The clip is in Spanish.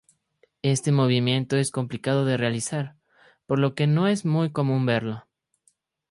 Este movimiento es complicado de realizar, por lo que no es muy común verlo.